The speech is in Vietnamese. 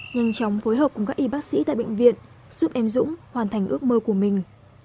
nhanh chóng phối hợp cùng các y bác sĩ tại bệnh viện giúp em dũng hoàn thành ước mơ của mình